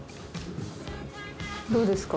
どうですか？